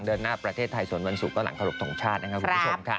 เดินหน้าประเทศไทยส่วนวันศุกร์ก็หลังเคารพทงชาตินะครับคุณผู้ชมค่ะ